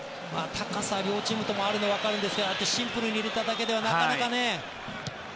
高さ両チームともあるのはわかるんですがシンプルに入れただけではなかなかね。